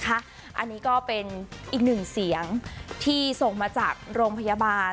อันนี้ก็เป็นอีกหนึ่งเสียงที่ส่งมาจากโรงพยาบาล